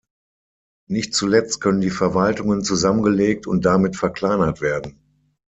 Nicht zuletzt können die Verwaltungen zusammengelegt und damit verkleinert werden.